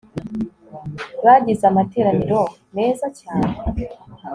bagize amateraniro meza cyane